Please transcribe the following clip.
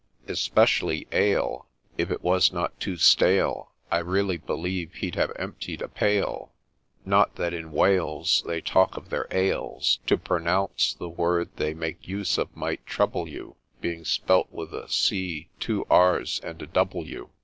Especially ale — If it was not too stale I really believe he'd have emptied a pail ; Not that in Wales They talk of their Ales ; To pronounce the word they make use of might trouble you, Being spelt with a C, two Rs, and a W.